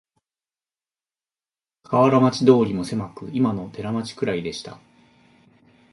河原町通もせまく、いまの寺町くらいでした